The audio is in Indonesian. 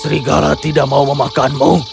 serigala tidak mau memakanmu